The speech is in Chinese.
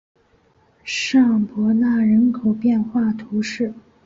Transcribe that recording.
尚博纳人口变化图示